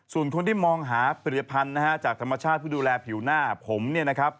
ส่วนคนที่มองหาผลิตภัณฑ์นะฮะจากธรรมชาติผู้ดูแลผิวหน้าผมเนี่ยนะครับ